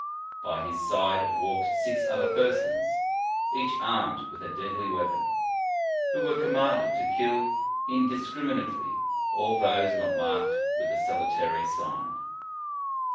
By his side walked six other persons, each armed with a deadly weapon, who were commanded to kill indis criminately all those not marked with the salutary sign.